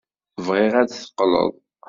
Bɣiɣ ad d-teqqleḍ.